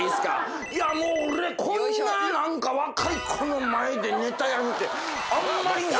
もう俺こんな何か若い子の前でネタやるってあんまりないから」